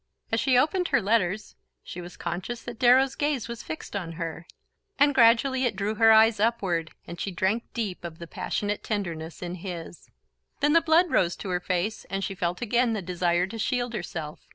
As she opened her letters she was conscious that Darrow's gaze was fixed on her, and gradually it drew her eyes upward, and she drank deep of the passionate tenderness in his. Then the blood rose to her face and she felt again the desire to shield herself.